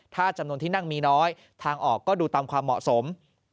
ถ้าจำนวนที่นั่งมีน้อยทางออกก็ดูตามความเหมาะสม